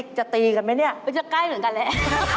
ก็จะใกล้เหมือนกันแล้ว